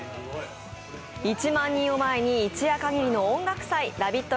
１万人を前に一夜限りの音楽祭、ＬＯＶＥＩＴ！